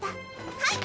はい！